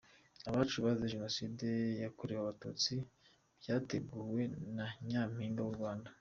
abacu bazize Jenoside yakorewe Abatutsi cyateguwe na nyampinga wu Rwanda.